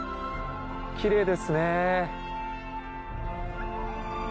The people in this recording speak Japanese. きれいですね。